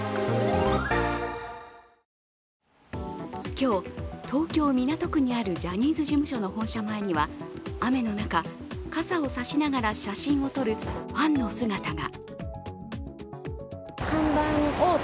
今日、東京・港区にあるジャニーズ事務所の本社前には雨の中、傘を差しながら写真を撮るファンの姿が。